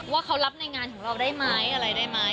ว่าเขารับในงานของเราได้ไหมอะไรได้ไหม